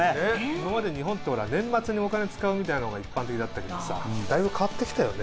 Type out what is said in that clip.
今まで日本って年末にお金使うみたいなのが一般的だったけどさだいぶ変わって来たよね。